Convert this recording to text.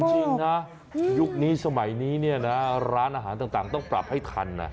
จริงนะยุคนี้สมัยนี้เนี่ยนะร้านอาหารต่างต้องปรับให้ทันนะ